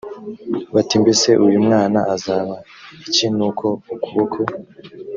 bati mbese uyu mwana azaba iki nuko ukuboko